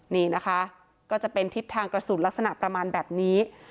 นี่นะคะก็จะเป็นทิศทางกระสุนลักษณะประมาณแบบนี้